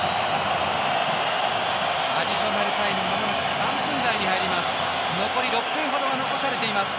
アディショナルタイムまもなく３分台に入ります。